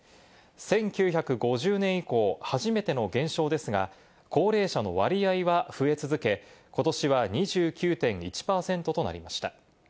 １９５０年以降、初めての現象ですが、高齢者の割合は増え続け、ことしは２９．１％となりました。